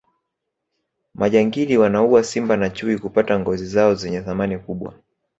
majangili wanaua simba na chui kupata ngozi zao zenye thamani kubwa